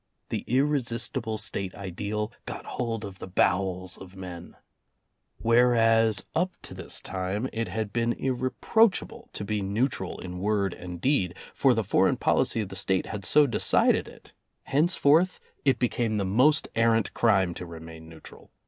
The irresistible State ideal got hold of the bowels of men. Whereas up to this time, it had been irreproachable to be neutral in word and deed, for the foreign policy of the State had so decided it, henceforth it became the most arrant crime to remain neutral.